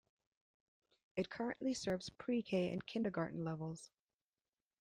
It currently serves Pre K and Kindergarten levels.